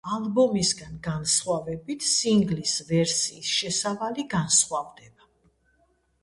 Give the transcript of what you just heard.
ალბომისგან განსხვავებით, სინგლის ვერსიის შესავალი განსხვავდება.